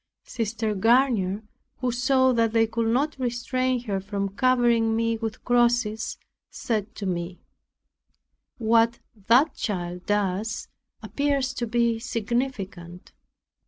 Sister Garnier, who saw that they could not restrain her from covering me with crosses, said to me, "What that child does appears to be significant."